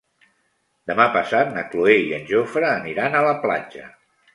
Demà passat na Cloè i en Jofre aniran a la platja.